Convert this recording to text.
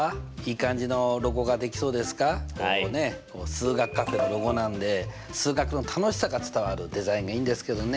数学カフェのロゴなんで数学の楽しさが伝わるデザインがいいんですけどね。